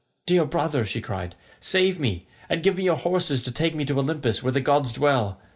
"Dear brother," she cried, "save me, and give me your horses to take me to Olympus where the gods dwell.